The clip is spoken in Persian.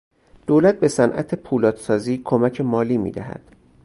دولت به صنعت پولادسازی کمک مالی میدهد.